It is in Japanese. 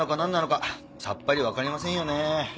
んなのかさっぱりわかりませんよね。